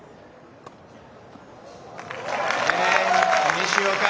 西岡